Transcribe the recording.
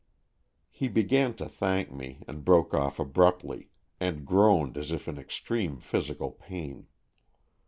He began to thank me, and broke off abruptly, and groaned as if in extreme physical pain.